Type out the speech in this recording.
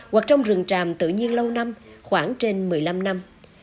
hoặc trong rừng tràm tự nhiên lâu năm khoảng trên một mươi năm năm